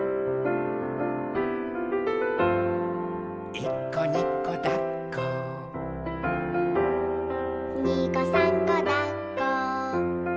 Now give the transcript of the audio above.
「いっこにこだっこ」「にこさんこだっこ」